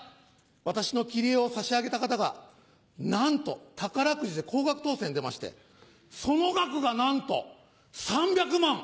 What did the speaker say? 私の切り絵を差し上げた方がなんと宝くじで高額当選出ましてその額がなんと３００万！